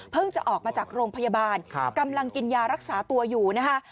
จะออกมาจากโรงพยาบาลกำลังกินยารักษาตัวอยู่นะคะ